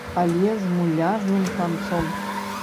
Але з муляжным канцом.